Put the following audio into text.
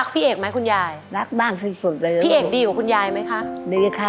พี่เอกดีกว่าคุณยายมั้ยค่ะ